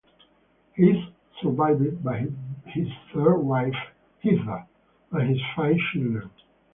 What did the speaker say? He is survived by his third wife Heather, and his five children.